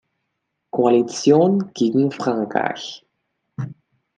Koalition gegen Frankreich.